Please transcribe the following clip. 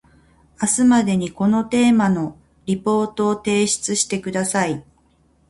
明日までにこのテーマのリポートを提出してください